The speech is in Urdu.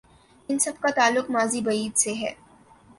ان سب کا تعلق ماضی بعید سے ہے۔